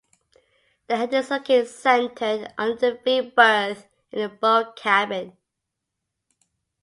The head is located centered under the "V" berth in the bow cabin.